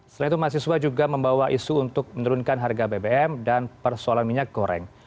selain itu mahasiswa juga membawa isu untuk menurunkan harga bbm dan persoalan minyak goreng